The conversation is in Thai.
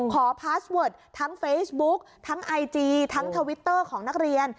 พาสเวิร์ดทั้งเฟซบุ๊กทั้งไอจีทั้งทวิตเตอร์ของนักเรียน